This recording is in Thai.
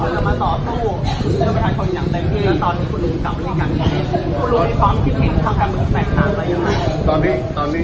นักฐานการณ์เช่นใช่ไหม